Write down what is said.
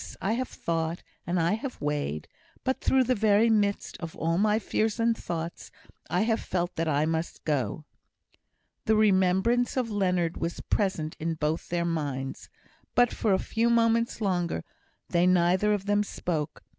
I have thought, and I have weighed. But through the very midst of all my fears and thoughts I have felt that I must go." The remembrance of Leonard was present in both their minds; but for a few moments longer they neither of them spoke.